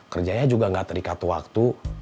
kerjanya juga gak terikat waktu